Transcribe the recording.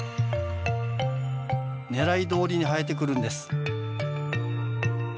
狙いどおりに生えてくるんです。